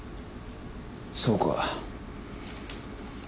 そうか。